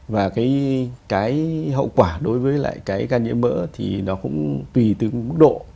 và cái hậu quả đối với lại cái ca nhiễm mỡ thì nó cũng tùy từ mức độ